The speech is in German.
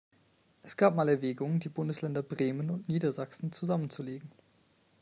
Es gab mal Erwägungen, die Bundesländer Bremen und Niedersachsen zusammenzulegen.